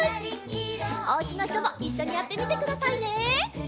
おうちのひともいっしょにやってみてくださいね！